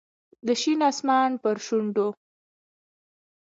د شین اسمان پر شونډو